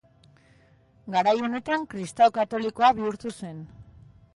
Garai honetan kristau katolikoa bihurtu zen.